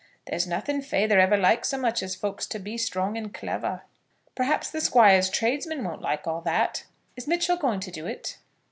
There's nothing feyther ever liked so much as folks to be strong and clever." "Perhaps the Squire's tradesmen won't like all that. Is Mitchell going to do it?"